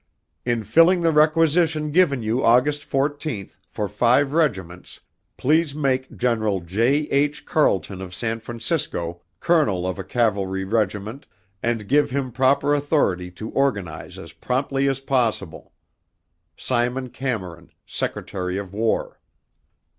In filling the requisition given you August 14th, for five regiments, please make General J. H. Carleton of San Francisco, colonel of a cavalry regiment, and give him proper authority to organize as promptly as possible. Simon Cameron, Secretary of War.